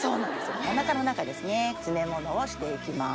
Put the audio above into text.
おなかの中ですね詰めものをして行きます。